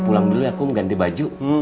saya pulang dulu ya aku mau ganti baju